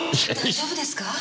大丈夫ですか？